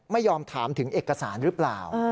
ไม่ยอมถามถึงเอกสารหรือเปล่า